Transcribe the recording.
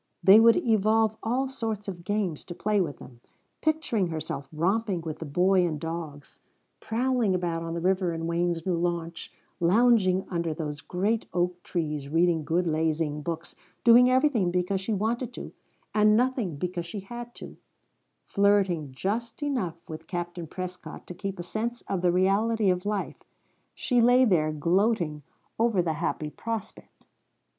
They would evolve all sorts of games to play with them. Picturing herself romping with the boy and dogs, prowling about on the river in Wayne's new launch, lounging under those great oak trees reading good lazying books, doing everything because she wanted to and nothing because she had to, flirting just enough with Captain Prescott to keep a sense of the reality of life, she lay there gloating over the happy prospect.